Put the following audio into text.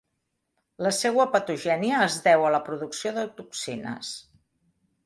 La seua patogènia es deu a la producció de toxines.